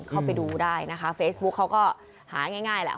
เข้าไปดูได้นะคะเฟซบุ๊กเขาก็หาง่ายแหละ